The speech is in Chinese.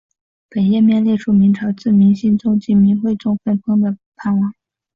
本页面列出明朝自明兴宗及明惠宗分封的藩王。